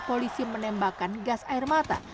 polisi menembakkan gas air mata